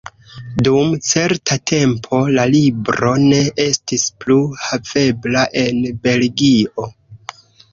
Dum certa tempo la libro ne estis plu havebla en Belgio.